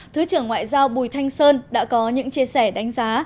thứ trưởng ngoại giao bùi thanh sơn đã có những chia sẻ đánh giá